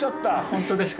本当ですか。